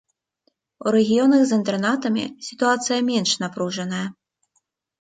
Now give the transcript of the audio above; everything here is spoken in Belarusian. У рэгіёнах з інтэрнатамі сітуацыя менш напружаная.